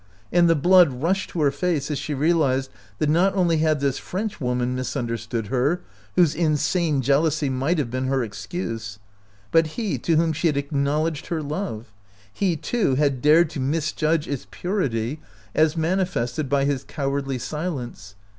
And the blood rushed to her face as she realized that not only had this French woman misunderstood her, whose insane jealousy might have been her excuse, but he to whom she had acknowledged her love — he, too, had dared to misjudge its purity, 47 OUT OF BOHEMIA as manifested by his cowardly silence.